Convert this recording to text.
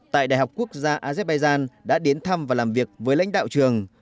tại đại học quốc gia azerbaijan đã đến thăm và làm việc với lãnh đạo trường